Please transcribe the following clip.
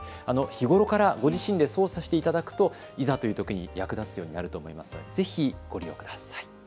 日頃からご自身で操作していただくといざというときに役立つようになると思いますので、ぜひご利用ください。